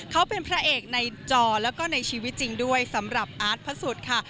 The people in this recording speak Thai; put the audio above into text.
เขาเป็นพระเอกในจอแล้วก็ในชีวิตจริงด้วยสำหรับอาร์ตพระสุทธิ์ค่ะ